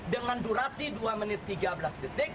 dengan durasi dua menit tiga belas detik